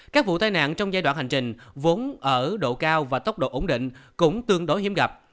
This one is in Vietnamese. các vụ tai nạn trong giai đoạn hành trình vốn ở độ cao và tốc độ ổn định cũng tương đối hiếm gặp